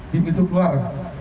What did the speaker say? di pintu keluar